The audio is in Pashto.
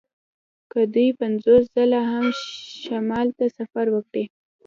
که دوی پنځوس ځله هم شمال ته سفر وکړي